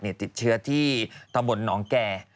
ที่ติดเชื้อที่ตะบนน้องแก่